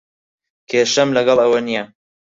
کێشەم لەگەڵ ئەوە نییە.